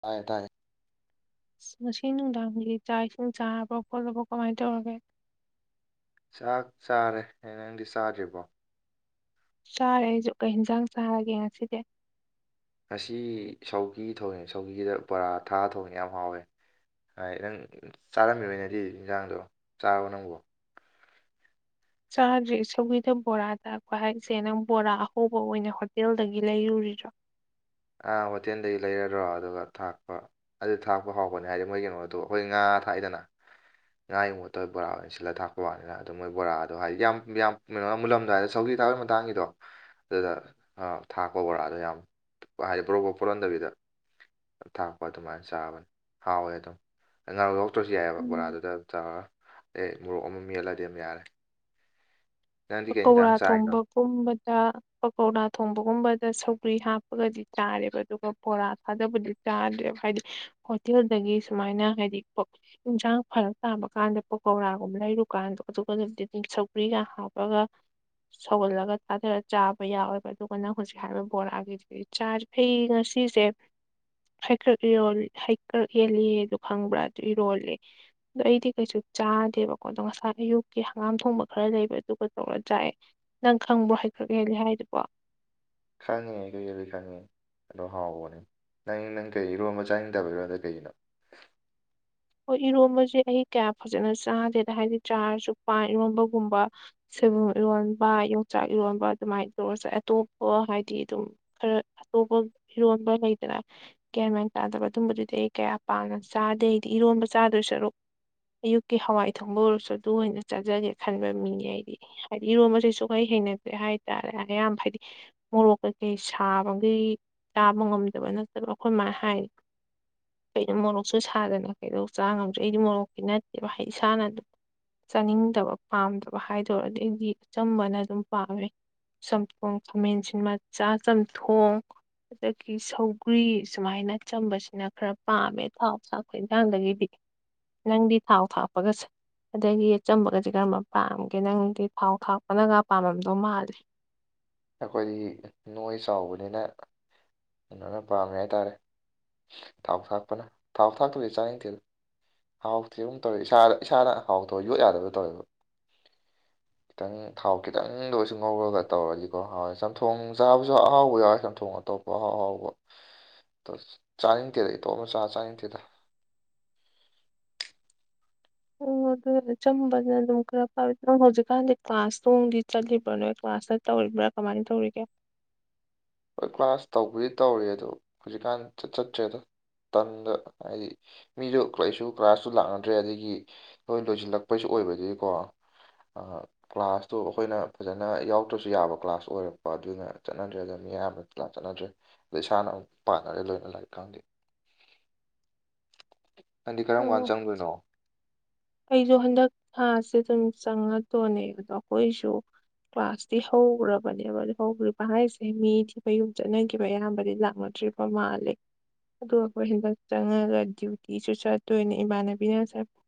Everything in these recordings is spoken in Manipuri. ꯇꯥꯏꯌꯦ ꯇꯥꯏꯌꯦ ꯏꯁ ꯉꯁꯤ ꯅꯨꯡꯗꯥꯡꯒꯤꯗꯤ ꯆꯥꯛ ꯏꯁꯤꯡ ꯆꯥꯔꯕꯣ ꯈꯣꯠꯂꯕꯣ ꯀꯃꯥꯏꯟ ꯇꯧꯔꯒꯦ ꯆꯥꯛ ꯆꯥꯔꯦ ꯑꯦ ꯅꯪꯗꯤ ꯆꯥꯗ꯭ꯔꯤꯕꯣ ꯆꯥꯔꯦ ꯑꯩꯖꯨ ꯀꯩ ꯍꯤꯟꯖꯥꯡ ꯆꯥꯔꯒꯦ ꯉꯁꯤꯗꯤ ꯉꯁꯤ ꯁꯧꯒꯤ ꯊꯣꯡꯉꯦ ꯁꯧꯒꯤꯗ ꯕꯣꯔꯥ ꯊꯥꯛꯑ ꯊꯣꯡꯉꯦ ꯌꯥꯝ ꯍꯥꯎꯋꯦ ꯍꯥꯏ ꯅꯪ ꯆꯥꯔꯝꯒꯤꯔꯣꯏꯅꯦ ꯑꯗꯨꯏ ꯏꯟꯖꯥꯡꯗꯣ ꯆꯥꯔꯕꯣ ꯅꯪꯕꯣ ꯆꯥꯗ꯭ꯔꯤ ꯁꯧꯒꯤꯗ ꯕꯣꯔꯥ ꯊꯥꯛꯄ ꯍꯥꯏꯖꯦ ꯅꯪ ꯕꯣꯔꯥ ꯑꯍꯧꯕ ꯑꯣꯏꯅ ꯍꯣꯇꯦꯜꯗꯒꯤ ꯂꯩꯔꯨꯔꯤꯔꯣ ꯑꯥ ꯍꯣꯇꯦꯜꯗꯩ ꯂꯩꯔꯒ ꯑꯗꯨꯒ ꯊꯥꯛꯄ ꯑꯗꯨ ꯊꯥꯛꯄ ꯍꯥꯎꯕꯅꯦ ꯍꯥꯏꯗꯤ ꯃꯣꯏ ꯀꯩꯅꯣꯗꯣ ꯑꯩꯈꯣꯏ ꯉꯥ ꯊꯥꯛꯏꯗꯅ ꯉꯥꯉꯣꯠꯇꯕ ꯕꯣꯔꯥ ꯑꯣꯏꯅ ꯁꯤꯜꯂ ꯊꯥꯛꯄ ꯋꯥꯅꯤꯅ ꯑꯗꯨ ꯃꯣꯏ ꯕꯣꯔꯥꯗꯣ ꯍꯥꯏꯗꯤ ꯌꯥꯝ ꯀꯩꯅꯣꯅ ꯃꯨꯜꯂꯝꯗꯥꯋꯥꯏꯗ ꯁꯧꯖꯤ ꯊꯥꯕꯒꯤ ꯃꯇꯥꯡꯒꯤꯗꯣ ꯑꯗꯨꯗ ꯊꯥꯛꯄ ꯣꯔꯥꯗ ꯌꯥꯝ ꯍꯥꯏꯗꯤ ꯄꯣꯔꯣꯛꯄꯣꯛ ꯄꯣꯔꯍꯣꯟꯗꯕꯤꯗ ꯊꯥꯛꯄ ꯑꯗꯨꯃꯥꯏꯅ ꯆꯥꯕꯅꯤ ꯍꯥꯎꯋꯦ ꯑꯗꯨꯝ ꯑꯩ ꯉꯥꯔꯣꯛ ꯌꯥꯎꯗ꯭ꯔꯁꯨ ꯌꯥꯏꯑꯕ ꯎꯝ ꯕꯣꯔꯥꯗꯨꯗ ꯆꯥꯎꯔꯒ ꯑꯩ ꯃꯣꯔꯣꯛ ꯑꯃ ꯃꯦꯜꯂꯗꯤ ꯑꯃ ꯌꯥꯔꯦ ꯅꯪꯗꯤ ꯀꯩ ꯄꯀꯧꯔꯥ ꯌꯦꯟꯖꯥꯡ ꯆꯥꯏꯅꯣ ꯊꯣꯡꯕꯒꯨꯝꯕꯗ ꯄꯀꯧꯔꯥ ꯊꯣꯡꯕꯒꯨꯝꯕꯗ ꯁꯧꯒ꯭ꯔꯤ ꯍꯥꯞꯄꯒꯗꯤ ꯆꯥꯔꯦꯕ ꯑꯗꯨꯒ ꯕꯣꯔꯥ ꯊꯥꯗꯕꯗꯤ ꯆꯥꯗ꯭ꯔꯦꯕ ꯍꯥꯏꯗꯤ ꯍꯣꯇꯦꯜꯗꯒꯤ ꯁꯨꯃꯥꯏꯅ ꯍꯥꯏꯗꯤ ꯏꯟꯁꯥꯡ ꯐꯔꯛ ꯇꯥꯕ ꯀꯥꯟꯗ ꯄꯀꯧꯔꯥꯒꯨꯝꯕ ꯂꯩꯔꯨꯀꯥꯟꯗꯣ ꯑꯗꯨꯒꯗꯨꯗꯤꯗꯤ ꯁꯧꯒ꯭ꯔꯤꯒꯥꯎ ꯑꯣ ꯁꯧꯒꯜꯂꯒ ꯊꯥꯊꯔꯒ ꯆꯥꯕ ꯌꯥꯎꯋꯦꯕ ꯑꯗꯨꯒ ꯅꯪ ꯍꯧꯖꯤꯛ ꯍꯥꯏꯔꯤꯕ ꯕꯣꯔꯥꯒꯤ ꯆꯥ ꯑꯩꯩ ꯉꯁꯤꯁꯦ ꯍꯀ꯭ꯔꯛ ꯏꯔꯣ ꯍꯀ꯭ꯔꯛ ꯌꯦꯜꯂꯤ ꯑꯗꯨ ꯈꯪꯕ꯭ꯔꯥ ꯑꯗꯨ ꯏꯔꯣꯂꯦ ꯑꯗꯣ ꯑꯩꯗꯤ ꯀꯩꯁꯨ ꯆꯥꯗꯦꯕꯀꯣ ꯑꯗꯣ ꯉꯁꯥꯏ ꯑꯌꯨꯛꯀꯤ ꯍꯪꯒꯥꯝ ꯊꯣꯡꯕ ꯈꯔ ꯂꯩꯕ ꯑꯗꯨꯒ ꯇꯧꯔ ꯆꯥꯏꯦ ꯅꯪ ꯈꯪꯕ꯭ꯔꯣ ꯍꯥꯏꯈ꯭ꯔꯛ ꯍꯦꯜꯂꯤꯦ ꯍꯥꯏꯗꯨꯕꯣ ꯈꯪꯉꯦ ꯀꯩ ꯀꯕꯤꯩ ꯈꯪꯉꯦ ꯑꯗꯣ ꯍꯥꯎꯕꯅꯦ ꯅꯪ ꯅꯪ ꯀꯩ ꯏꯔꯣꯟꯕ ꯆꯥꯅꯤꯡꯗꯕ ꯏꯔꯣꯗ ꯀꯩꯒꯤꯅꯣ ꯍꯣꯏ ꯏꯔꯣꯝꯕꯁꯦ ꯑꯩ ꯀꯌꯥ ꯐꯖꯅ ꯆꯥꯗꯦꯗ ꯍꯥꯏꯗꯤ ꯆꯥꯔꯁꯨ ꯄꯥꯟ ꯏꯔꯣꯝꯕꯒꯨꯝꯕ ꯁꯦꯕꯨꯝ ꯏꯔꯣꯟꯕ ꯌꯣꯡꯆꯥꯛ ꯏꯔꯣꯟꯕ ꯑꯗꯨꯃꯥꯏꯅ ꯇꯧꯔꯁꯨ ꯑꯇꯣꯞꯄ ꯍꯥꯏꯗꯤ ꯑꯗꯨꯝ ꯈꯔ ꯑꯇꯣꯞꯄ ꯏꯤꯔꯣꯟꯕ ꯂꯩꯗꯅ ꯀꯦꯟꯃꯥꯏꯅ ꯇꯥꯗꯕ ꯑꯗꯨꯝꯕꯗꯨꯗꯤ ꯑꯩ ꯀꯌꯥ ꯄꯥꯝꯅ ꯆꯥꯗꯦ ꯑꯩꯗꯤ ꯏꯔꯣꯟꯕ ꯆꯥꯗꯣꯏ ꯁꯔꯨꯛ ꯑꯌꯨꯛꯀꯤ ꯍꯋꯥꯏ ꯊꯣꯡꯕ ꯑꯣꯏꯔꯁꯨ ꯑꯗꯨ ꯑꯣꯏꯅ ꯆꯥꯖꯒꯦ ꯈꯟꯕ ꯃꯤꯅꯦ ꯑꯩꯗꯤ ꯍꯥꯏꯗꯤ ꯏꯔꯣꯝꯕꯁꯤ ꯁ ꯀꯩ ꯍꯩꯅꯗꯦ ꯍꯥꯏꯇꯥꯔꯦ ꯑꯌꯥꯝꯕ ꯍꯥꯏꯗꯤ ꯃꯣꯔꯣꯛ ꯀꯩꯀꯩ ꯁꯥꯕꯒꯤꯩ ꯇꯥꯕ ꯉꯝꯗꯕ ꯅꯠꯇꯕ ꯑꯩꯈꯣꯏꯃꯥꯏꯅ ꯍꯥꯏ ꯑꯩꯅ ꯃꯣꯔꯣꯛꯁꯨ ꯁꯥꯗꯅ ꯀꯩꯗꯧ ꯆꯥ ꯉꯝꯗ꯭ꯔꯦ ꯑꯩꯗꯤ ꯃꯣꯔꯣꯛꯀꯤ ꯅꯠꯇꯦꯕ ꯑꯩꯗꯤ ꯏꯁꯥꯟꯅꯗꯕ ꯆꯥꯅꯤꯡꯗꯕ ꯄꯥꯝꯗꯕ ꯍꯥꯏꯗꯔ ꯑꯗꯨꯩꯗꯤ ꯑꯆꯝꯕꯅ ꯑꯗꯨꯝ ꯄꯥꯝꯃꯦ ꯁꯝꯊꯣꯡ ꯃꯦꯟꯁꯤꯟ ꯃ ꯆ ꯁꯝꯊꯣꯡ ꯑꯗꯒꯤ ꯁꯧꯒ꯭ꯔꯤ ꯁꯨꯃꯥꯏꯅ ꯆꯝꯕꯁꯤꯅ ꯈꯔ ꯄꯥꯝꯃꯦ ꯊꯥꯎ ꯆꯥꯛꯈ ꯍꯟꯥꯡꯗꯒꯤꯗꯤꯛ ꯅꯪꯗꯤ ꯊꯥꯎ ꯊꯥꯛꯞꯄꯒꯁ ꯑꯗꯒꯤꯆꯝꯕꯒꯗꯤ ꯀꯔꯝꯕ ꯄꯥꯝꯒꯦ ꯅꯪꯗꯤ ꯊꯥꯎ ꯊꯥꯛꯄꯅꯒ ꯄꯥꯝꯃꯝꯗꯧ ꯃꯥꯜꯂꯦ ꯑꯩꯈꯣꯏꯗꯤ ꯅꯣꯡ ꯆꯥꯎꯕꯅꯤꯅ ꯑꯗꯨꯣꯏꯅ ꯄꯥꯝꯃꯦ ꯍꯥꯏꯇꯥꯔꯦ ꯊꯥꯎ ꯊꯥꯛꯄꯅ ꯊꯥꯎ ꯊꯥꯛꯇꯣꯏꯒꯦ ꯆꯥ ꯌꯦꯊꯦꯜꯅ ꯍꯥꯎꯊꯦ ꯑꯃꯨꯛ ꯇꯧꯋꯦ ꯏꯁꯥꯗ ꯏꯁꯥꯅ ꯍꯥꯎꯊꯧꯋꯦ ꯌꯣꯠ ꯌꯥꯗꯕ ꯇꯧꯋꯦꯕ ꯈꯤꯇꯪ ꯊꯥꯎ ꯈꯤꯇꯪꯗ ꯑꯣꯏꯁꯨ ꯉꯧꯔꯒ ꯇꯧꯔꯗꯤ ꯀ ꯍꯥꯎ ꯆꯝꯊꯣꯡ ꯆꯥꯕꯁꯨ ꯑꯍꯥꯎꯕ ꯌꯥꯎꯋꯦ ꯆꯝꯊꯣꯡ ꯑꯇꯣꯞꯄ ꯑꯍꯥꯎ ꯑꯍꯥꯎꯕ ꯆꯥꯅꯤꯡꯗꯦꯗ ꯏꯇꯣꯞ ꯑꯃꯆꯥꯥ ꯆꯥꯅꯤꯡꯗꯦꯗ ꯑꯣ ꯑꯗꯨ ꯆꯝꯕꯅ ꯑꯗꯨꯝ ꯈꯔ ꯐꯥꯋ ꯅ ꯍꯧꯖꯤꯛꯀꯥꯟꯗꯤ ꯀ꯭ꯂꯥꯁ ꯇꯣꯡꯗꯤ ꯆꯠꯂꯤꯕꯅꯅꯦ ꯀ꯭ꯂꯥꯁꯇ ꯇꯧꯔꯤꯕ꯭ꯔꯥ ꯀꯃꯥꯏꯅ ꯇꯧꯔꯤꯒꯦ ꯍꯣꯏ ꯀ꯭ꯂꯥꯁ ꯇꯧꯕꯗꯤ ꯇꯧꯔꯤ ꯑꯗꯣ ꯍꯧꯖꯤꯛꯀꯥꯟ ꯆꯠꯇ꯭ꯔꯦꯗꯣ ꯇꯗ ꯍꯥꯏꯗꯤ ꯃꯤꯁꯨ ꯀꯔꯤꯁꯨ ꯀ꯭ꯂꯥꯁꯁꯨ ꯂꯥꯛꯅꯗ꯭ꯔꯦ ꯑꯗꯒꯤ ꯅꯣꯏ ꯂꯣꯏꯁꯤꯜꯂꯛꯄꯩꯁꯨ ꯑꯣꯏꯕꯗꯤꯀꯣ ꯀ꯭ꯂꯥꯁꯇꯨ ꯑꯩꯈꯣꯏꯅ ꯐꯖꯅ ꯌꯥꯎꯗ꯭ꯔꯁꯨ ꯌꯥꯕ ꯀ꯭ꯂꯥꯁ ꯑꯣꯏꯔꯛꯄ ꯑꯗꯨꯅ ꯆꯠꯅꯗ꯭ꯔꯦ ꯑꯗꯨꯅ ꯃꯤ ꯑꯌꯥꯝꯕ ꯂꯞ ꯆꯠꯅꯗ꯭ꯔꯦ ꯑꯗ ꯏꯁꯥꯅ ꯑꯃꯨꯛ ꯄꯥꯅꯔꯦ ꯂꯣꯏꯅ ꯂꯥꯏꯔꯤꯛ ꯈꯪꯗꯦ ꯅꯪꯗꯤ ꯀꯔꯝ ꯀꯥꯟꯗ ꯆꯪꯗꯣꯏꯅꯣ ꯑꯩꯗꯣ ꯍꯟꯗꯛ ꯊꯥꯁꯦ ꯑꯗꯨꯝ ꯆꯪꯒꯗꯣꯅꯦ ꯑꯗꯣ ꯑꯩꯈꯣꯏꯁꯨ ꯀ꯭ꯂꯥꯁꯇꯤ ꯍꯧꯈ꯭ꯔꯕꯅꯦꯕ ꯍꯧꯈ꯭ꯔꯤꯕ ꯍꯥꯏꯁꯦ ꯃꯤ ꯊꯤꯕ ꯌꯨꯝ ꯆꯠꯅꯈꯤꯕ ꯑꯌꯥꯝꯕꯗꯤ ꯂꯥꯛꯅꯗ꯭ꯔꯤꯕ ꯑ ꯃꯥ ꯂꯩꯦ ꯑꯗꯣ ꯑꯩꯈꯣꯏ ꯍꯟꯗꯛ ꯆꯪꯉꯒ ꯗ꯭ꯌꯨꯇꯤꯁꯨ ꯆꯠꯇꯣꯏꯅꯦ ꯏꯃꯥꯟꯅꯕꯤꯅ ꯆꯄ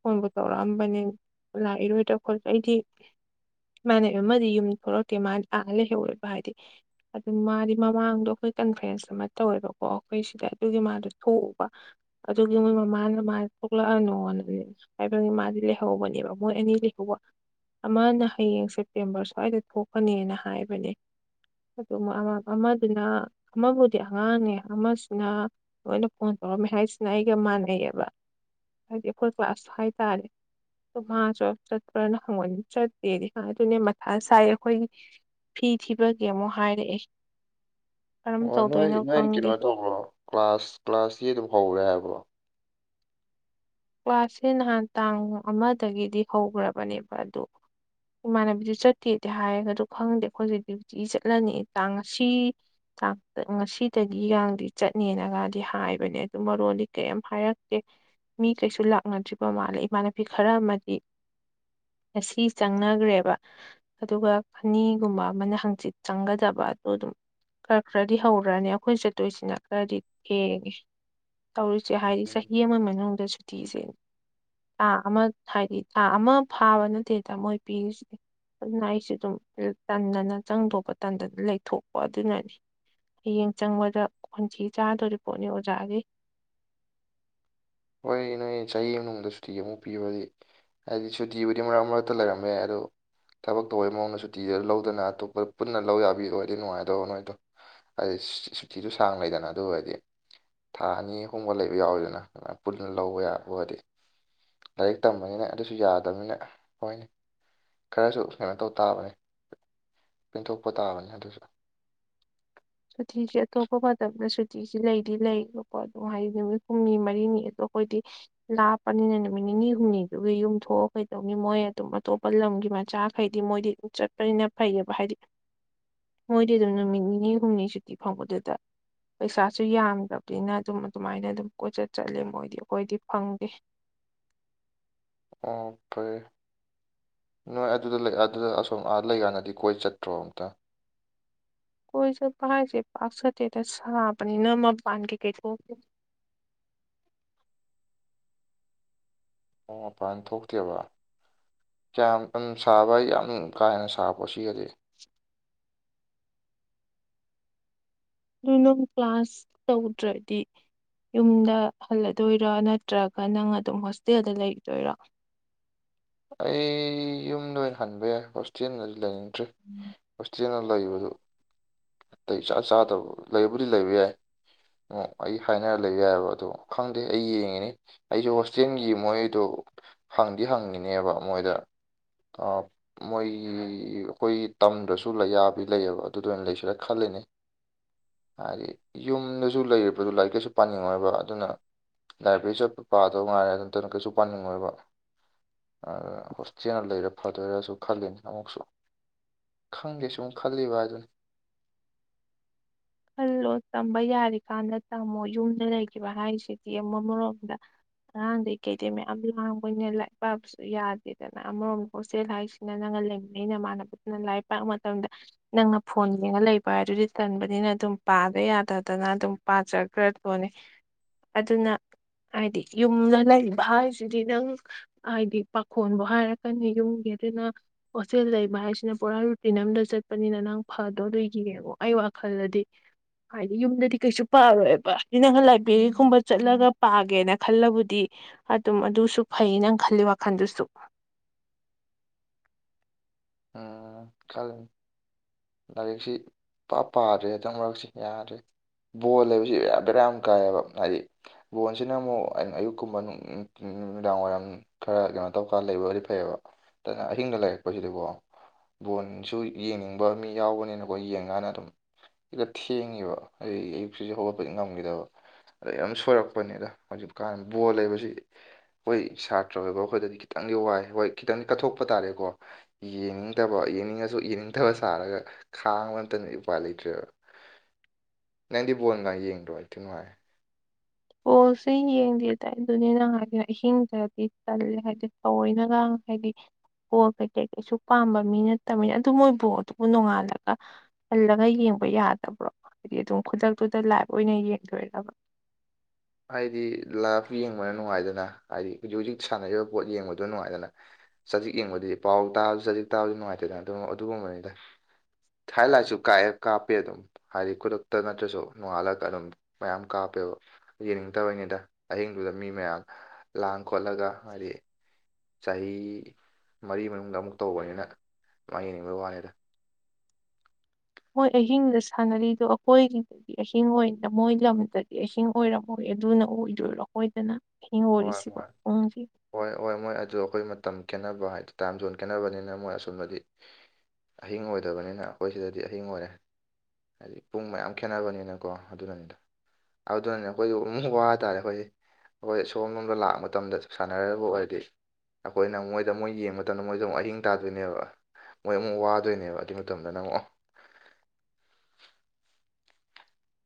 ꯐꯣꯟꯕꯨ ꯇꯧꯔꯛꯑꯝꯕꯅꯦ ꯂꯥꯛꯏꯔꯣꯏꯗ꯭ꯔꯥ ꯈꯣ ꯑꯩꯗꯤ ꯃꯥꯟꯅꯩ ꯑꯃꯗꯤ ꯌꯨꯝ ꯊꯣꯛꯂꯛꯀꯦ ꯃꯥ ꯑꯥꯅ ꯂꯩꯍꯧꯔꯦꯕ ꯍꯥꯏꯗꯤ ꯑꯗꯨ ꯃꯥꯗꯤ ꯃꯃꯥꯡꯗꯣ ꯑꯩꯈꯣꯏ ꯀꯟꯐ꯭ꯔꯦꯟꯁ ꯑꯃ ꯇꯧꯋꯦꯕꯀꯣ ꯑꯩꯈꯣꯏ ꯁꯤꯗ ꯑꯗꯨꯒꯤ ꯃꯥꯗꯣ ꯊꯣꯛꯎꯕ ꯑꯗꯨꯒꯤ ꯃꯣꯏ ꯃꯃꯥꯅ ꯃꯥ ꯊꯣꯛꯂꯛꯑꯅꯣ ꯍꯥꯏꯕꯒꯤ ꯃꯥꯗꯤ ꯂꯩꯍꯧꯕꯅꯦꯕ ꯃꯣꯏ ꯑꯅꯤ ꯂꯩꯍꯧꯕ ꯑꯃꯅ ꯍꯌꯦꯡ ꯁꯦꯞꯇꯦꯝꯕꯔ ꯁ꯭ꯋꯥꯏꯗ ꯊꯣꯛꯀꯅꯦꯅ ꯍꯥꯏꯕꯅꯦ ꯑꯗꯨ ꯑꯃꯗꯨꯅ ꯑꯃꯕꯨꯗꯤ ꯑꯉꯥꯡꯅꯦ ꯑꯃꯁꯨꯅ ꯂꯣꯏꯅ ꯐꯣꯟ ꯇꯧꯔꯝꯃꯦ ꯍꯥꯏꯁꯤꯅ ꯑꯩꯒ ꯃꯥꯟꯅꯩꯌꯦꯕ ꯍꯥꯏꯗꯤ ꯑꯩꯈꯣꯏ ꯀ꯭ꯂꯥꯁ ꯍꯥꯏꯇꯥꯔꯦ ꯃꯥꯁꯨ ꯆꯠꯄ꯭ꯔꯥꯅ ꯍꯪꯕꯅꯤ ꯆꯠꯇꯦꯗꯤ ꯍꯥꯏ ꯑꯗꯨꯅꯦ ꯃꯊꯥ ꯁꯥꯏ ꯑꯩꯈꯣꯏꯒꯤ ꯐꯤ ꯊꯤꯕꯒꯦ ꯑꯃꯨꯛ ꯍꯥꯏꯔꯛꯑꯦ ꯀꯔꯝ ꯑꯣ ꯇꯧꯗꯣꯏꯅꯣ ꯅꯣꯏ-ꯅꯣꯏ ꯈꯪꯗꯦ ꯀꯩꯅꯣ ꯇꯧꯕ꯭ꯔꯣ ꯀ꯭ꯂꯥꯁ ꯀ꯭ꯂꯥꯁꯗꯤ ꯑꯗꯨꯝ ꯍꯧꯔꯦ ꯍꯥꯏꯕ꯭ꯔꯣ ꯀ꯭ꯂꯥꯁꯁꯦ ꯅꯍꯥꯟ ꯇꯥꯡ ꯑꯃꯗꯒꯤꯗꯤ ꯍꯧꯈ꯭ꯔꯕꯅꯦꯕ ꯑꯗꯣ ꯏꯃꯥꯟꯅꯕꯤꯗꯨ ꯆꯠꯇꯦꯗꯤ ꯍꯥꯏꯒꯗꯨ ꯑꯗꯣ ꯈꯪꯗꯦ ꯑꯩꯈꯣꯒꯤꯗꯤ [unintelligible] ꯆꯠꯂꯅꯤ ꯇꯥꯡ ꯉꯁꯤ ꯆꯥꯛꯇ ꯉꯁꯤꯗꯒꯤ ꯆꯠꯅꯦꯅꯒꯗꯤ ꯍꯥꯏꯕꯅꯦ ꯑꯗꯨ ꯃꯔꯣꯟꯗꯤ ꯀꯔꯤꯝ ꯍꯥꯏꯔꯛꯇꯦ ꯃꯤ ꯀꯩꯁꯨ ꯂꯥꯛꯅꯗ꯭ꯔꯤꯕ ꯃꯥꯜꯂꯦ ꯏꯃꯥꯟꯅꯕꯤ ꯈꯔ ꯑꯃꯗꯤ ꯉꯁꯤ ꯆꯪꯅꯈ꯭ꯔꯦꯕ ꯑꯗꯨꯒ ꯐꯅꯤꯒꯨꯝꯕ ꯑꯃꯅ ꯍꯪꯆꯤꯠ ꯆꯪꯒꯗꯕ ꯑꯗꯨ ꯑꯗꯨꯝ ꯈꯔ-ꯈꯔꯗꯤ ꯍꯧꯔꯅꯤ ꯑꯩꯈꯣꯏꯅ ꯆꯠꯇꯣꯏꯁꯤꯅ ꯈꯔꯗꯤ ꯊꯦꯡꯉꯦ ꯇꯧꯔꯤꯨꯁꯦ ꯍꯥꯏꯔꯤ ꯆꯍꯤ ꯑꯃꯒꯤ ꯃꯅꯨꯡꯗ ꯁꯨꯇꯤꯁꯦ ꯊꯥ ꯑꯃ ꯍꯥꯏꯗꯤ ꯊꯥ ꯑꯃ ꯐꯥꯕ ꯅꯠꯇꯦꯗ ꯃꯣꯏ ꯄꯤꯔꯤꯁꯤ ꯑꯗꯨꯅ ꯑꯩꯁꯨ ꯑꯗꯨꯝ ꯇꯟꯗꯅ ꯆꯪꯗꯧꯕ ꯇꯟꯗꯅ ꯂꯩꯊꯣꯛꯄ ꯑꯗꯨꯅꯅꯤ ꯍꯌꯦꯡ ꯆꯪꯕꯗ ꯈꯣꯟꯊꯤ ꯆꯥꯗꯣꯔꯤ ꯄꯣꯠꯅꯤ ꯑꯣꯖꯥꯒꯤ꯫ ꯍꯣꯏ ꯅꯣꯏ ꯆꯍꯤ ꯃꯅꯨꯡꯗ ꯁꯨꯇꯤ ꯑꯃꯨꯛ ꯄꯤꯔꯗꯤ꯫ ꯍꯥꯏꯗꯤ ꯁꯨꯇꯤꯕꯨꯨꯗꯤ ꯃꯔꯛ-ꯃꯔꯛꯇ ꯂꯩꯔꯝꯕꯌꯥꯏ ꯑꯗꯣ ꯊꯕꯛ ꯇꯧꯕꯩ ꯃꯑꯣꯡꯗ ꯁꯨꯇꯤꯗ ꯂꯧꯗꯅ ꯑꯇꯣꯞꯄ ꯄꯨꯟꯅ ꯂꯧ ꯌꯥꯕꯤ ꯑꯣꯏꯗꯤ ꯅꯨꯡꯉꯥꯏꯗꯕ ꯅꯣꯏꯗꯣ꯫ ꯍꯥꯏꯗꯤ ꯁꯨꯇꯤꯁꯨ ꯁꯥꯡ-ꯂꯩꯗꯅ ꯑꯗꯨ ꯑꯣꯏꯔꯗꯤ ꯊꯥ ꯑꯅꯤ ꯑꯍꯨꯝꯒ ꯂꯩꯕ ꯌꯥꯎꯋꯤꯗꯅ꯫ ꯄꯨꯟꯅ ꯂꯧꯕ ꯌꯥꯕ ꯑꯣꯏꯗꯤ ꯂꯥꯏꯔꯤꯛ ꯇꯝꯕꯅꯤꯅ ꯑꯗꯨꯁꯨ ꯌꯥꯗꯕꯅꯤꯅ ꯍꯣꯏꯅꯦ꯫ ꯈꯔꯁꯨ ꯀꯩꯅꯣ-ꯇꯧ-ꯇꯥꯕꯅꯦ ꯄꯦꯟꯊꯣꯛꯄ ꯇꯥꯕꯅꯦ ꯑꯗꯨꯁꯨ꯫ ꯁꯨꯇꯤꯁꯦ ꯑꯇꯣꯞꯄ ꯃꯇꯝꯗ ꯁꯨꯇꯤꯁꯤ ꯂꯩꯗꯤ ꯂꯩꯌꯦꯕꯀꯣ ꯑꯗꯨꯝ ꯍꯥꯏꯗꯤ ꯅꯨꯃꯤꯠ ꯍꯨꯝꯅꯤ ꯃꯔꯤꯅꯤ ꯑꯗꯣ ꯑꯩꯈꯣꯏꯗꯤ ꯂꯥꯞꯄꯅꯤꯅ ꯅꯨꯃꯤꯠ ꯅꯤꯅꯤ ꯍꯨꯝꯅꯤꯗꯨꯒꯤ ꯌꯨꯝꯊꯣꯛꯑ ꯀꯩꯗꯧꯅꯤ ꯃꯣꯏ ꯑꯗꯨꯝ ꯑꯇꯣꯞꯄ ꯂꯝꯒꯤ ꯃꯆꯥꯥꯛ ꯍꯥꯏꯗꯤ ꯃꯣꯏꯗꯤ ꯆꯠꯄꯅꯤꯅ ꯐꯩꯌꯦꯕ ꯍꯥꯏꯗꯤ [inaudible] ꯃꯣꯏꯗꯤ ꯑꯗꯨꯝ ꯅꯨꯃꯤꯠ ꯅꯤꯅꯤ-ꯍꯨꯝꯅꯤ ꯁꯨꯇꯤ ꯐꯪꯕꯗꯨꯗ ꯄꯩꯁꯥꯁꯨ ꯌꯥꯝꯒ꯭ꯔꯕꯅꯤꯅ ꯑꯗꯨꯝ ꯑꯗꯨꯃꯥꯏꯅ ꯑꯗꯨꯝ ꯀꯣꯏꯆꯠ ꯆꯠꯂꯤ ꯃꯣꯏꯗꯤ ꯑꯩꯈꯣꯏꯗꯤ ꯐꯪꯗꯦ꯫ ꯑꯣ ꯐꯔꯦ꯫ ꯅꯣꯏ ꯑꯗꯨꯗ ꯂꯩ ꯑꯗꯨꯗ ꯑꯁꯣꯝ ꯑꯥ ꯂꯩꯀꯥꯟꯗꯗꯤ ꯀꯣꯏ ꯆꯠꯇ꯭ꯔꯣ ꯑꯝꯇ? ꯀꯣꯏ ꯆꯠꯄ ꯍꯥꯏꯁꯦ ꯄꯥꯛ-ꯆꯠꯇꯦꯗ ꯁꯥꯕꯅꯤꯅ ꯃꯄꯥꯟ ꯀꯩ-ꯀꯩ ꯊꯣꯛꯇꯦ꯫ ꯑꯣ ꯃꯄꯥꯟ ꯊꯣꯛꯇꯦꯕ꯫ ꯀꯌꯥꯝ ꯎꯝ ꯁꯥꯕ ꯌꯥꯝ ꯀꯥ-ꯍꯦꯟꯅ ꯁꯥꯕ꯭ꯔꯣ ꯁꯤꯒꯗꯤ꯫ ꯑꯗꯨ ꯅꯨꯡ ꯀ꯭ꯂꯥꯁ ꯇꯧꯗ꯭ꯔꯗꯤ꯫ ꯌꯨꯝꯗ ꯍꯜꯂꯗꯣꯏꯔ ꯅꯠꯇ꯭ꯔꯒ ꯅꯪ ꯑꯗꯨꯝ ꯍꯣꯁꯇꯦꯜꯗ ꯂꯩꯒꯤꯗꯣꯏꯔꯣ? ꯑꯩ ꯌꯨꯝꯗ ꯑꯣꯏꯅ ꯍꯟꯕ ꯌꯥꯏ ꯍꯣꯁꯇꯦꯜꯗꯗꯤ ꯂꯩꯅꯤꯡꯗ꯭ꯔꯦ꯫ ꯂꯩꯕꯗꯨ ꯑꯇꯩ ꯏꯆꯥ- ꯆꯥꯗꯕ ꯂꯩꯕꯨꯗꯤ ꯂꯩꯕ ꯌꯥꯏ꯫ ꯑꯣ ꯑꯩ ꯍꯥꯏꯅꯔ ꯂꯩꯕ ꯌꯥꯏ ꯑꯗꯣ ꯈꯪꯗꯦ ꯑꯩ ꯌꯦꯡꯉꯤꯅꯤ꯫ ꯑꯩꯁꯨ ꯍꯣꯁꯇꯦꯜꯒꯤ ꯃꯣꯏꯗꯣ ꯍꯪꯗꯤ ꯍꯪꯉꯤꯅꯦꯕ ꯃꯣꯏꯗ ꯑ ꯃꯣꯏꯒꯤ ꯑꯩꯈꯣꯏ ꯇꯝꯗ꯭ꯔꯁꯨ ꯂꯩꯌꯥꯕꯤ ꯂꯩꯌꯦꯕ ꯑꯗꯨꯗ ꯑꯣꯏꯅ ꯂꯩꯁꯤꯔꯥ ꯈꯜꯂꯤꯅꯤ꯫ ꯍꯥꯏꯗꯤ ꯌꯨꯝꯗꯁꯨ ꯂꯩꯔꯤꯕꯗꯨ ꯂꯥꯏꯔꯤꯛ ꯀꯩꯁꯨ ꯄꯥꯅꯤꯡꯉꯣꯏꯕ ꯑꯗꯨꯅ ꯂꯥꯏꯕ꯭ꯔꯦꯔꯤ ꯆꯠꯄ ꯄꯥꯗꯧ ꯉꯥꯏꯔꯦ ꯑꯗꯨ ꯅꯠꯇꯅ ꯀꯩꯁꯨ ꯄꯥꯅꯤꯡꯉꯣꯏꯕ꯫ ꯑ ꯍꯣꯁꯇꯦꯜ ꯂꯩꯔ ꯐꯗꯣꯏꯔꯁꯨ ꯈꯜꯂꯤꯅꯦ ꯑꯃꯨꯛꯁꯨ꯫ ꯈꯪꯗꯦ ꯁꯨꯝ ꯈꯜꯂꯤꯕ ꯍꯥꯏꯗꯨꯅꯤ꯫ ꯈꯜꯂꯣ ꯇꯝꯕ ꯌꯥꯔꯤ ꯀꯥꯟꯗ ꯇꯝꯃꯣ ꯌꯨꯝꯗ ꯂꯩꯈꯤꯕ ꯍꯥꯏꯔꯤꯁꯤꯗꯤ ꯑꯃꯔꯣꯝꯗ ꯑꯉꯥꯡꯗꯒꯤ ꯀꯩꯗꯩ ꯃꯌꯥꯝ ꯂꯥꯡꯕꯅꯤꯅ ꯂꯥꯏꯛ ꯄꯥꯕꯁ ꯁꯨ ꯌꯥꯗꯦꯗꯅ ꯑꯃꯔꯣꯝꯗ ꯍꯣꯁꯇꯦꯜ ꯍꯥꯏꯁꯤꯅ ꯅꯪꯒ ꯂꯩꯃꯤꯅꯩ ꯅꯃꯥꯟꯅꯕꯗꯨꯅ ꯂꯥꯏꯔꯤꯛ ꯄꯥꯛꯄ ꯃꯇꯝꯗ ꯅꯪꯅ ꯐꯣꯟ ꯌꯦꯉ ꯂꯩꯕ ꯍꯥꯏ ꯑꯗꯨꯗꯤ ꯀꯟꯕꯅꯤꯅ ꯑꯗꯨꯝ ꯄꯥꯗ ꯌꯥꯗꯗꯅ ꯑꯗꯨꯝ ꯄꯥꯖꯈ꯭ꯔꯗꯣꯅꯦ ꯑꯗꯨꯅ ꯍꯥꯏꯗꯤ ꯌꯨꯝꯗ ꯂꯩꯔꯤꯕ ꯍꯥꯏꯁꯤꯗꯤ ꯅꯪ ꯍꯥꯏꯗꯤ ꯄꯥꯈꯣꯟꯕꯨꯣ ꯍꯥꯏꯔꯛꯀꯅꯤ ꯌꯨꯝꯒꯤ ꯑꯗꯨꯅ ꯍꯣꯁꯇꯦꯜ ꯂꯩꯕ ꯍꯥꯏꯁꯤꯅ ꯄꯨꯔꯥ ꯔꯨꯇꯤꯟ ꯑꯝꯗ ꯆꯠꯄꯅꯤꯅ ꯅꯪ ꯐꯗꯣ ꯂꯣꯏꯈꯤꯒꯦꯉꯣ ꯑꯩ ꯋꯥꯈꯜꯗꯗꯤ꯫ [inaudible] ꯍꯥꯏꯗꯤ ꯌꯨꯝꯗꯗꯤ ꯀꯩꯁꯨ ꯄꯥꯔꯣꯏꯕ ꯑ ꯅꯪ ꯂꯥꯏꯕ꯭ꯔꯦꯔꯤꯒꯨꯝꯕ ꯆꯠꯂꯒ ꯄꯥꯒꯦꯅ ꯈꯜꯂꯕꯨꯗꯤ꯫ ꯑꯗꯨꯝ ꯑꯗꯨꯁꯨ ꯐꯩ ꯅꯪ ꯈꯜꯂꯤ ꯋꯥꯈꯜꯗꯨꯁꯨ꯫ ꯎꯝ ꯀꯂ ꯂꯥꯏꯔꯤꯛꯁꯤ ꯄ ꯄꯥꯗ꯭ꯔꯦ ꯍꯇꯪ ꯃꯔꯛꯁꯤ ꯌꯥꯗ꯭ꯔꯦ꯫ ꯕꯣꯜ ꯍꯥꯏꯕꯁꯤ ꯕꯦꯔꯥ ꯌꯥꯝ ꯀꯥꯏꯌꯦꯕ ꯍꯥꯏꯗꯤ ꯕꯣꯟꯁꯤꯅ ꯑꯃꯨꯛ ꯑꯩꯅ ꯑꯌꯨꯛꯀꯨꯝꯕ ꯅꯨꯃꯤꯗꯥꯡꯋꯥꯏꯔꯝ ꯈꯔ ꯀꯩꯅꯣ ꯇꯧꯀꯥꯟ ꯂꯩꯕꯕꯨꯗꯤ ꯐꯩꯑꯕ ꯑꯗꯨꯅ ꯑꯍꯤꯡꯗ ꯂꯩꯔꯛꯄꯁꯤꯗꯤꯀꯣ ꯕꯣꯟꯁꯨ ꯌꯦꯡꯅꯤꯡꯕ ꯃꯤ ꯌꯥꯎꯕꯅꯤꯅꯀꯣ ꯌꯦꯡꯀꯥꯟꯗ ꯑꯗꯨꯝ ꯁꯤꯗ ꯊꯦꯡꯉꯤꯕ ꯑꯩ ꯑꯌꯨꯛꯁꯤꯁꯨꯦ ꯍꯧꯒꯠꯄꯗꯤ ꯉꯝꯈꯤꯗꯕ ꯗ ꯌꯥꯝ ꯁꯣꯏꯔꯛꯄꯅꯦꯗ ꯍꯧꯖꯤꯛ ꯀꯥꯟ ꯕꯣꯜ ꯂꯩꯕꯁꯤ ꯍꯣꯏ ꯁꯥꯇ꯭ꯔ ꯑꯣꯏꯕ ꯑꯩꯈꯣꯏꯗꯗꯤ ꯈꯤꯇꯪꯗꯤ ꯋꯥꯏ ꯍꯣꯏ ꯈꯤꯇꯪꯗꯤ ꯀꯠꯊꯣꯛꯄ ꯇꯥꯔꯦꯀꯣ ꯌꯦꯡꯅꯤꯡꯗꯕ ꯌꯦꯡꯅꯤꯡꯉꯁꯨ ꯌꯦꯡꯅꯤꯡꯗꯕꯁꯨ ꯊꯥꯔꯒ ꯈꯥꯡꯕ ꯅꯇꯅ ꯎꯄꯥ ꯂꯩꯇ꯭ꯔꯦꯕ ꯅꯥꯏꯟꯗꯤ ꯕꯣꯟꯒ ꯌꯦꯡꯗ꯭ꯔꯣ ꯑꯩ ꯊ ꯅꯨꯡꯉꯥꯏ ꯄꯜꯁꯦ ꯌꯦꯡꯗꯦꯗꯏ ꯑꯗꯨꯅꯤꯅ ꯍꯥꯏꯗꯤ ꯑꯍꯤꯡꯗꯗꯤ ꯆꯜꯂꯦ ꯍꯥꯏꯗꯤ ꯇꯔꯤꯅꯒ ꯍꯥꯏꯗꯤ ꯀꯣ ꯀꯩꯀꯩ ꯀꯩꯁꯨ ꯄꯥꯝꯕ ꯃꯤ ꯅꯠꯇꯕꯅ ꯑꯗꯨ ꯃꯣꯏꯕꯨ ꯑꯗꯨꯕꯨ ꯅꯣꯡꯉꯥꯜꯂꯒ ꯍꯜꯂꯒ ꯌꯦꯡꯕ ꯌꯥꯗꯕ꯭ꯔꯣ ꯍꯥꯏꯗꯤ ꯑꯗꯨꯝ ꯈꯨꯗꯛꯇꯨꯗ ꯂꯥꯏꯚ ꯑꯣꯏꯅ ꯌꯦꯡꯗꯣꯏꯕ ꯍꯥꯏꯗꯤ ꯂꯞ ꯌꯦꯡꯕꯅ ꯅꯨꯡꯉꯥꯏꯗꯅ ꯍꯥꯏꯗꯤ ꯍꯧꯖꯤꯛ ꯍꯧꯖꯤꯛ ꯁꯥꯟꯅꯔꯤꯕ ꯄꯣꯠ ꯌꯦꯡꯕꯗꯣ ꯅꯨꯡꯉꯥꯏꯗꯅ ꯆꯖꯤꯛ ꯌꯦꯡꯕꯗꯤ ꯄꯥꯎ ꯇꯥꯔꯁꯨ ꯆꯖꯤꯛ ꯇꯥꯕꯁꯨ ꯅꯨꯡꯉꯥꯏꯇꯦꯗꯅ ꯑꯗꯨ ꯑꯗꯨꯒꯨꯝꯕꯅꯤ ꯇꯥꯏ ꯊꯥꯏ ꯂꯥꯛ ꯆꯨ ꯀꯥꯏꯑ ꯀꯥꯄꯤ ꯑꯗꯨ ꯍꯥꯏꯗꯤ ꯈꯨꯗꯛꯇ ꯅꯠꯇ꯭ꯔꯁꯨ ꯅꯣꯡꯉꯥꯜꯂꯒ ꯑꯗꯨꯝ ꯃꯌꯥꯝ ꯀꯥꯞꯄꯦꯕ ꯌꯦꯡꯅꯤꯡꯗꯕꯩꯅꯤꯗ ꯑꯍꯤꯡꯗꯨꯗ ꯃꯤ ꯃꯌꯥꯝ ꯂꯥꯡ ꯈꯣꯠꯂꯒ ꯍꯥꯏꯗꯤ ꯆꯍꯤ ꯃꯔꯤ ꯃꯅꯨꯡꯗ ꯑꯃꯨꯛ ꯇꯧꯕꯅꯤꯅ ꯃꯥ ꯌꯦꯡꯅꯤꯡꯕꯩ ꯋꯥꯅꯦꯗ ꯃꯣꯏ ꯑꯍꯤꯡꯗ ꯁꯥꯟꯅꯔꯤꯗꯣ ꯑꯩꯈꯣꯏꯒꯤ ꯗꯤ ꯑꯍꯤꯡꯗ ꯃꯣꯏ ꯂꯝꯗꯗꯤ ꯑꯍꯤꯡ ꯑꯣꯏꯔꯝꯃꯣꯏ ꯑꯗꯨꯅ ꯑꯣꯏꯗꯣꯏꯔꯣꯈꯣꯏꯗꯅ ꯍ ꯑꯣꯏꯔꯔꯤ ꯍꯣꯏ ꯁꯤ ꯍꯣꯏ ꯎ ꯍꯣꯏ ꯍꯣꯏ ꯃꯣꯏ ꯑꯗꯨꯗ ꯑꯩꯈꯣꯏ ꯃꯇꯝ ꯈꯦꯠꯅꯕ ꯍꯥꯏꯗꯤ ꯇꯥꯏꯝꯖꯣꯟ ꯈꯦꯠꯅꯕꯅꯤꯅ ꯃꯣꯏ ꯑꯁꯕꯗꯤ ꯑꯍꯤꯡ ꯑꯣꯏꯗꯕꯅꯤꯅ ꯑꯩꯈꯣꯏ ꯁꯤꯗꯗꯤ ꯑꯍꯤꯡ ꯑꯣꯏꯔꯦ ꯍꯥꯏꯗꯤ ꯄꯨꯡ ꯃꯌꯥꯝ ꯈꯦꯠꯅꯕꯅꯤꯅꯀꯣ ꯑꯗꯨꯅꯅꯤꯗ ꯑꯗꯨꯅꯅꯦ ꯑꯩꯈꯣꯏꯒꯤ ꯎꯕ ꯍꯥꯏꯇꯥꯔꯦ ꯑꯩꯈꯣꯏꯒꯤ ꯑꯩꯈꯣꯏ ꯁꯣꯝ ꯂꯣꯝꯗ ꯂꯥꯛꯄ ꯃꯇꯝꯗ ꯁꯥꯟꯅꯔꯕ ꯑꯣꯏꯔꯗꯤ ꯑꯩꯈꯣꯏꯅ ꯃꯣꯏꯗ ꯃꯣꯏ ꯌꯦꯡꯕ ꯃꯇꯝꯗ ꯃꯣꯏꯗ ꯑꯃꯨꯛ ꯑꯍꯤꯡ ꯇꯥꯗꯣꯏꯅꯦꯕ ꯃꯣꯏ ꯑꯃꯨꯛ ꯋꯥꯗꯣꯏꯅꯦꯕ ꯑꯗꯨꯏ ꯃꯇꯝꯗ ꯅꯪꯉꯛꯑꯣ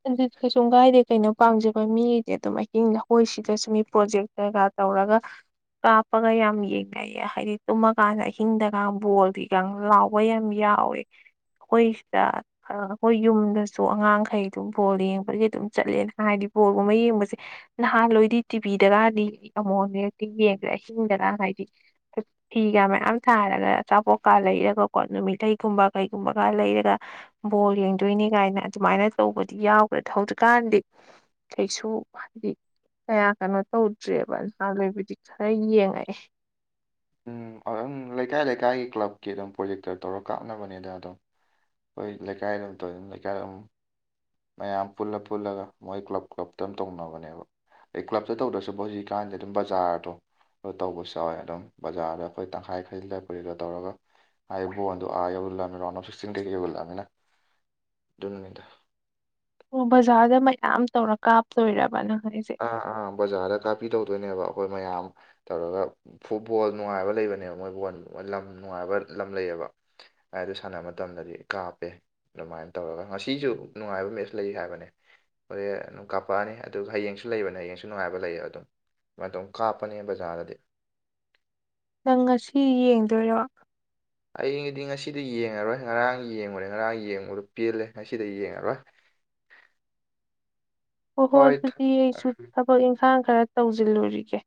ꯑꯗꯨꯗꯤ ꯀꯩꯁꯣꯝ ꯀꯥꯏꯗꯦ ꯀꯩꯅꯣ ꯄꯥꯝꯖꯕ ꯃꯤꯗꯤ ꯑꯗꯨꯝ ꯑꯍꯤꯡ ꯂꯧꯍꯣꯏꯁꯤꯗꯁꯨ ꯃꯤ ꯄ꯭ꯔꯣꯖꯦꯛ ꯀꯒꯥ ꯇꯧꯔꯒ ꯀꯥꯞꯄꯒ ꯌꯥꯝ ꯌꯦꯡꯅꯩꯌꯦ ꯍꯥꯏꯗꯤ ꯇꯨꯝꯃꯀꯥꯟꯗ ꯑꯍꯤꯡꯗꯒ ꯕꯣꯜꯗꯤꯒ ꯂꯥꯎ ꯇꯧꯕ ꯌꯥꯝ ꯌꯥꯎꯋꯦ ꯑꯩꯈꯣꯏ ꯁꯤꯗ ꯑꯩꯈꯣꯏ ꯌꯨꯝꯗꯁꯨ ꯑꯉꯥꯡꯈꯩ ꯑꯗꯨꯝ ꯕꯣꯜ ꯌꯦꯡꯕꯗꯒꯤ ꯑꯗꯨꯝ ꯆꯠꯂꯦꯅ ꯍꯥꯏꯗꯤ ꯕꯣꯜꯒꯨꯝꯕ ꯌꯦꯡꯕꯁꯦ ꯅꯍꯥꯟꯋꯥꯣꯏꯗꯤ ꯇꯤꯚꯤꯗꯒꯗꯤ ꯑꯃꯨꯛꯦꯛꯇꯤꯡ ꯌꯦꯡꯈ꯭ꯔꯦ ꯑꯍꯤꯡꯗꯅ ꯍꯥꯏꯗꯤ ꯐꯤꯒ ꯃꯌꯥꯝ ꯁꯥꯔꯒ ꯑꯆꯥꯄꯣꯠꯀ ꯂꯩꯔꯒꯀꯣ ꯅꯨꯃꯤꯠꯊꯒꯨꯝꯕ ꯀꯩꯒꯨꯝꯕꯒ ꯂꯩꯔꯒ ꯕꯣꯜ ꯌꯦꯡꯗꯣꯏꯅꯤ ꯀꯥꯏꯅ ꯑꯗꯨꯃꯥꯏꯅ ꯇꯧꯕꯗꯤ ꯌꯥꯎꯈ꯭ꯔꯦꯗ ꯍꯧꯖꯤꯛꯀꯥꯟꯗꯤ ꯀꯩꯁꯨ ꯍꯥꯏꯗꯤ ꯀꯌꯥ ꯀꯩꯅꯣ ꯇꯧꯗ꯭ꯔꯦꯕ ꯅꯍꯥ ꯂꯣꯏꯕꯨꯗꯤ ꯈꯔ ꯌꯦꯡꯉꯛꯑꯦ ꯎꯝꯝ ꯂꯩꯀꯥꯏ ꯂꯩꯀꯥꯏꯒꯤ ꯀ꯭ꯂꯕꯀꯤ ꯑꯗꯨꯝ ꯄ꯭ꯔꯣꯖꯦꯛꯇ ꯇꯧꯔꯒ ꯀꯥꯞꯅꯕꯅꯦꯗ ꯑꯗꯝ ꯍꯣꯏ ꯂꯩꯀꯥꯏꯗ ꯑꯗꯨꯝ ꯇꯧꯗꯅ ꯂꯩꯀꯥꯏꯗꯝ ꯃꯌꯥꯝ ꯄꯨꯜꯂ ꯄꯨꯜꯂꯒ ꯃꯣꯏ ꯀ꯭ꯂꯕ ꯀ꯭ꯂꯞꯇ ꯑꯃ ꯇꯧꯅꯕꯅꯦꯕ ꯑꯦ ꯀ꯭ꯂꯞꯇ ꯇꯧꯗ꯭ꯔꯁꯨꯕ ꯍꯧꯖꯤꯛꯀꯥꯟꯗꯤ ꯑꯗꯨꯝ ꯕꯖꯥꯔꯗꯣ ꯇꯧꯕꯁꯨ ꯌꯥꯎꯋꯦ ꯑꯗꯨꯝ ꯕꯖꯥꯔꯗ ꯑꯩꯈꯣꯏ ꯇꯪꯈꯥꯏ ꯈꯔꯁꯤꯗ ꯄꯨꯔꯤꯒ ꯇꯧꯔꯒ ꯕꯨ ꯌꯂꯝ ꯔꯥꯎꯟ ꯁꯤ ꯀꯩ ꯌꯜꯂꯝꯃꯤ ꯑꯣ ꯕꯖꯥꯔꯗ ꯃꯌꯥꯝ ꯇꯧꯔ ꯀꯥꯞꯇꯣꯏꯔꯕ ꯅ ꯍꯥꯏ ꯑꯩꯁꯦ ꯑꯥ ꯑꯥ ꯕꯖꯥꯔꯗ ꯀꯥꯞꯄꯤ ꯇꯧꯗꯣꯏꯅꯦꯕ ꯑꯩꯈꯣꯏ ꯃꯌꯥꯝ ꯇꯧꯔꯒ ꯐꯨꯠꯕꯣꯜ ꯅꯨꯡꯉꯥꯏꯕ ꯂꯩꯕꯅꯦꯕ ꯃꯣꯏ ꯜ ꯂꯝ ꯅꯨꯡꯉꯥꯏꯕ ꯂꯝ ꯂꯩꯌꯦꯕ ꯍꯥꯏꯗ ꯁꯥꯟꯅꯕ ꯃꯇꯝꯗꯗꯤ ꯀꯥꯞꯄꯦ ꯑꯗꯨꯃꯥꯏꯅ ꯇꯧꯔꯒ ꯉꯁꯤꯁꯨ ꯅꯨꯡꯉꯥꯏꯕ ꯃꯦꯠꯁ ꯂꯩ ꯍꯥꯏꯕꯅꯦ ꯍꯣꯔꯦꯟ ꯑꯗꯨꯝ ꯀꯥꯞꯄꯛꯑꯅꯤ ꯑꯗꯨꯒ ꯍꯌꯦꯡ ꯁ ꯂꯩꯕꯅꯦ ꯍꯌꯦꯡꯁꯨ ꯅꯨꯡꯉꯥꯏꯕ ꯂꯩ ꯑꯗꯨꯝ ꯁꯨꯃꯥꯏꯅ ꯇꯧꯝ ꯀꯥꯞꯄꯅꯦ ꯕꯖꯥꯔꯗꯗꯤ ꯅꯪ ꯉꯁꯤ ꯌꯦꯡꯗꯣꯏꯔꯣ ꯑꯩꯒꯤꯗꯤ ꯉꯁꯤꯗ ꯌꯦꯡꯉꯔꯣꯏ ꯉꯔꯥꯡ ꯌꯦꯡꯉꯨꯔꯦ ꯉꯔꯥꯡ ꯌꯦꯡꯕꯗꯣ ꯄꯦꯜꯂꯦ ꯉꯁꯤꯗ ꯌꯦꯡꯉꯔꯣꯏ [unintelligible] ꯍꯣꯏ ꯍꯣꯏ ꯑꯗꯨꯗꯤ ꯑꯩꯁꯨ ꯊꯕꯛ ꯏꯪꯈꯥꯡ ꯈꯔ ꯇꯧꯁꯤꯜꯂꯨꯔꯤꯒꯦ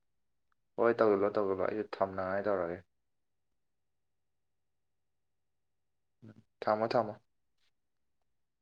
ꯍꯣꯏ ꯇꯧꯤꯜꯂꯣ ꯇꯧꯕꯤꯂꯣ ꯑꯩꯁꯨ ꯊꯝꯅꯉꯥꯏ ꯇꯧꯔꯒꯦ ꯎꯝ ꯊꯝꯃꯣ ꯊꯝꯃꯣ